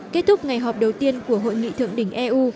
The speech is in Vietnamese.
kết thúc ngày họp đầu tiên của hội nghị thượng đỉnh eu